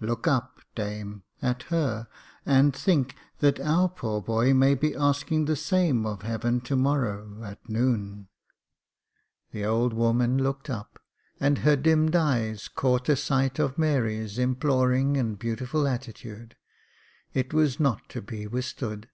Look up, dame, at her, and think that our poor boy may be asking the same of heaven to morrow at noon." The old woman looked up, and her dimmed eyes caught a sight of Mary's imploring and beautiful attitude ; it was not to be withstood.